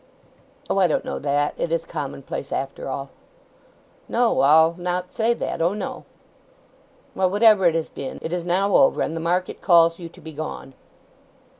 "Oh, I don't know that. It is commonplace after all." "No, I'll not say that. O no!" "Well, whatever it has been, it is now over; and the market calls you to be gone."